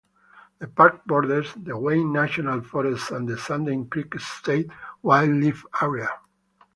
The park borders the Wayne National Forest and the Sunday Creek State Wildlife Area.